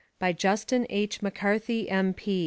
BY JUSTIN H. McCarthy, m.